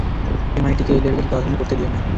এমআইটিকে এই লেভেলের গাধামি করতে দিয়েন না।